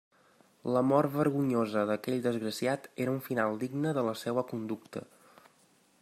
La mort vergonyosa d'aquell desgraciat era un final digne de la seua conducta.